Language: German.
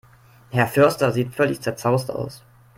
Herr Förster sieht völlig zerzaust aus.